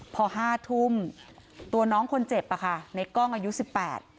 พอห้าทุ่มตัวน้องคนเจ็บอ่ะค่ะในกล้องอายุสิบแปด